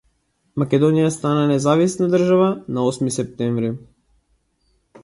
Македонија стана независна држава на Осми септември.